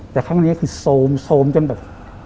แต่ข้างนี้คือโซมโซมจนแบบ